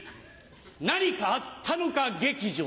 「何かあったのか劇場」。